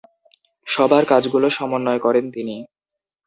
সবার কাজগুলো সমন্বয় করেন তিনি।